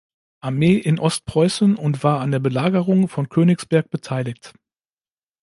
Armee in Ostpreußen und war an der Belagerung von Königsberg beteiligt.